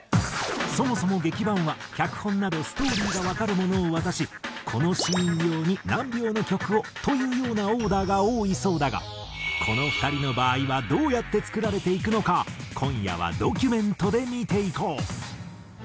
そもそも劇伴は脚本などストーリーがわかるものを渡しこのシーン用に何秒の曲をというようなオーダーが多いそうだがこの２人の場合はどうやって作られていくのか今夜はドキュメントで見ていこう。